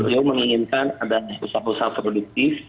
beliau menginginkan ada usaha usaha produktif